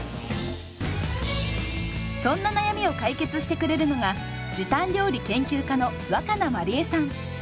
そんな悩みを解決してくれるのが時短料理研究家の若菜まりえさん。